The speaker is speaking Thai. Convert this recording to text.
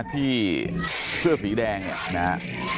ที่เสื้อสีแดงเนี่ยนะฮะ